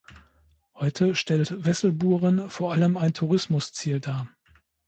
Heute stellt Wesselburen vor allem ein Tourismusziel dar.